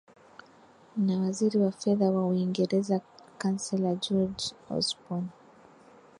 na waziri wa fedha wa uingereza chancellor george osborn